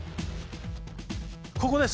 ここです！